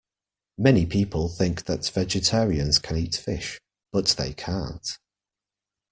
Many people think that vegetarians can eat fish, but they can't